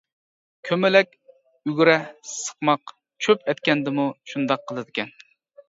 كۇمۇلەك، ئۈگرە، سىقماق، چۆپ ئەتكەندىمۇ شۇنداق قىلىدىكەن.